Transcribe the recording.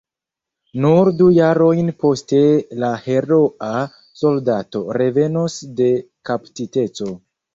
Nur du jarojn poste la heroa soldato revenos de kaptiteco.